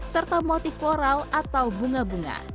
serta motif floral atau bunga bunga